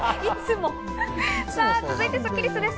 続いてスッキりすです。